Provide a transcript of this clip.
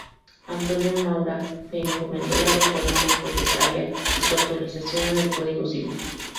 Antonio Maura le encomendó la reforma hipotecaria y su actualización en el Código Civil.